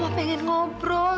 mama pengen ngobrol